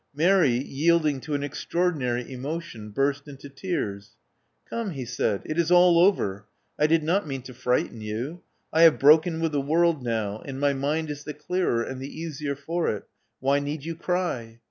Mary, yielding to an extraordinary emotion, burst into tears. ''Come," he said: "it is all over. I did not mean to frighten you. I have broken with the world now; and my mind is the clearer and the easier for it Why need you cry?"